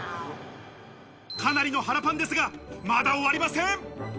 かなりの腹パンですが、まだ終わりません。